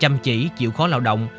chăm chỉ chịu khó lao động